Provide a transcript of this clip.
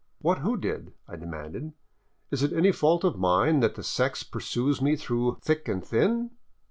" What who did? " I demanded. " Is it any fault of mine that the sex pursues me through thick and thin